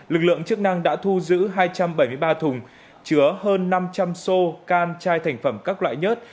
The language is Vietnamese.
lực lượng chức năng đã thu giữ hai trăm bảy mươi ba thùng chứa hơn năm trăm linh sô can chai thành phẩm các loại nhớt